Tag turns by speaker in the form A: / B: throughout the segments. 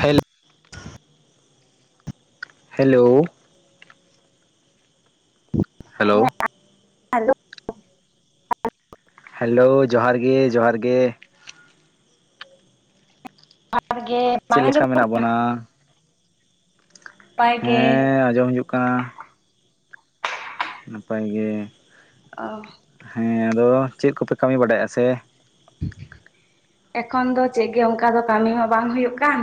A: Hello hello hello
B: hello
A: hello ᱡᱚᱦᱟᱨ ᱜᱮ ᱡᱚᱦᱟᱨ ᱜᱮ
B: ᱡᱚᱦᱟᱨ ᱜᱮ
A: ᱪᱮᱫ
B: ᱵᱟᱝ
A: ᱞᱮᱠᱟ
B: ᱟᱸᱡᱚᱢᱚᱜ
A: ᱢᱮᱱᱟᱜ
B: ᱠᱟᱱᱟ
A: ᱵᱚᱱᱟ?
B: ᱱᱟᱯᱟᱭ ᱜᱮ
A: ᱦᱮᱸ ᱟᱸᱡᱚᱢ ᱦᱤᱡᱩᱜ ᱠᱟᱱᱟ ᱾ ᱱᱟᱯᱟᱭ ᱜᱮ᱾
B: ᱚ
A: ᱦᱮᱸ ᱟᱫᱚ ᱪᱮᱫ ᱠᱚᱯᱮ ᱠᱟᱹᱢᱤ ᱵᱟᱰᱟᱭᱮᱫᱼᱟ ᱥᱮ [unintelligible]
B: ᱮᱠᱷᱚᱱ ᱫᱚ ᱪᱮᱫ ᱜᱮ ᱚᱱᱠᱟ ᱫᱚ ᱠᱟᱹᱢᱤ ᱦᱚᱸ ᱵᱟᱝ ᱦᱩᱭᱩᱜ ᱠᱟᱱ